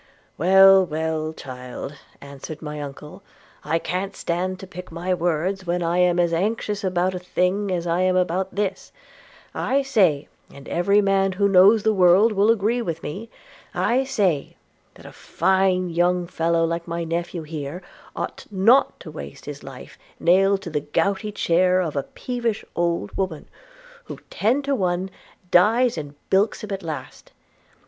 – 'Well, well, child,' answered my uncle, 'I can't stand to pick my words, when I am as anxious about a thing as I am about this – I say, and every man who knows the world will agree with me – I say, that a fine young fellow like my nephew here ought not to waste his life nailed to the gouty chair of a peevish old woman, who ten to one dies and bilks him at last.